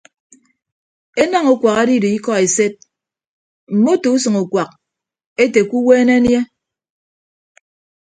Enañ ukuak edido ikọ esed mmoto usʌñ ukuak ete ke uweene anie.